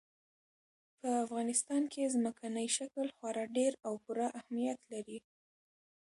په افغانستان کې ځمکنی شکل خورا ډېر او پوره اهمیت لري.